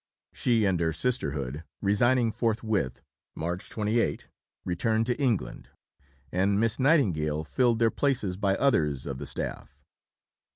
She and her Sisterhood, resigning forthwith (March 28), returned to England, and Miss Nightingale filled their places by others of the staff.